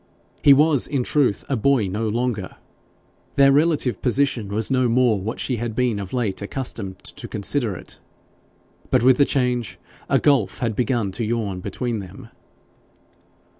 He was in truth a boy no longer. Their relative position was no more what she had been of late accustomed to consider it. But with the change a gulf had begun to yawn between them.